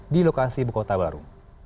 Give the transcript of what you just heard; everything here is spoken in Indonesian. di lokasi ibu kota baru